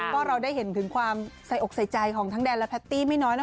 เพราะเราได้เห็นถึงความใส่อกใส่ใจของทั้งแดนและแพตตี้ไม่น้อยนะ